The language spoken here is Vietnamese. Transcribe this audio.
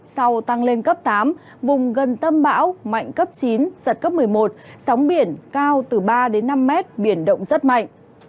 sau tăng lên cấp tám vùng gần tâm bão mạnh cấp chín giật cấp một mươi một sóng biển cao từ ba đến năm mét biển động rất mạnh